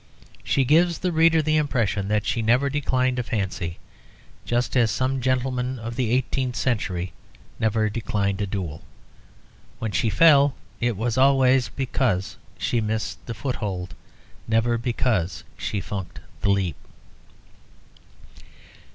She gives the reader the impression that she never declined a fancy, just as some gentlemen of the eighteenth century never declined a duel. When she fell it was always because she missed the foothold, never because she funked the leap.